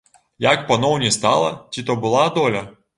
Як паноў не стала, ці то была доля?